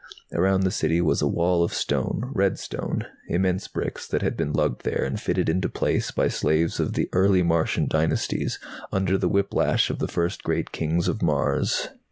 Around the City was a wall of stone, red stone, immense bricks that had been lugged there and fitted into place by slaves of the early Martian dynasties, under the whiplash of the first great Kings of Mars.